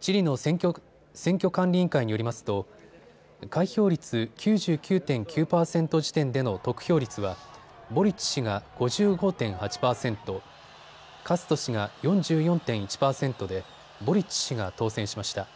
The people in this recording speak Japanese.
チリの選挙管理委員会によりますと開票率９９．９％時点での得票率はボリッチ氏が５５．８％、カスト氏が４４．１％でボリッチ氏が当選しました。